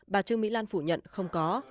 bà chương mỹ lan phủ nhận không có